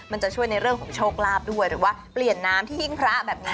มันจะช่วยในเรื่องของโชคลาภด้วยหรือว่าเปลี่ยนน้ำที่หิ้งพระแบบนี้